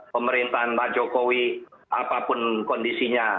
pemerintahan pak jokowi apapun kondisinya